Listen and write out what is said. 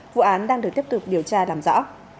vụ án đang được tiếp tục điều tra làm rõ